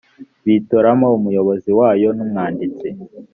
bitoramo umuyobozi wayo n umwanditsi